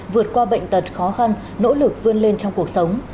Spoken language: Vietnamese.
vượt qua bệnh tật khó khăn nỗ lực vươn lên trong cuộc sống